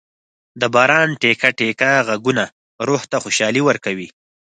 د باران ټېکه ټېکه ږغونه روح ته خوشالي ورکوي.